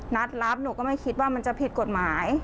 นัดรับหนูก็ไม่คิดว่ามันจะผิดกฎหมาย